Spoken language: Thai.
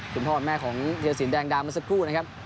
คุณพ่อแม่ของธิรสินแดงดาเมื่อสักครู่นะครับ